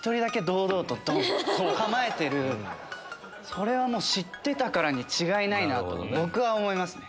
それは知ってたからに違いないなと僕は思いますね。